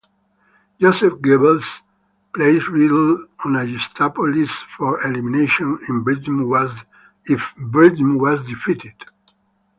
Joseph Goebbels placed Ridley on a Gestapo list for elimination if Britain was defeated.